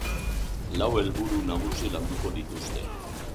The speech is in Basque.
Lau helburu nagusi landuko dituzte.